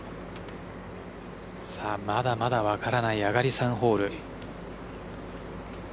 まだまだ分からない上がり３ホール。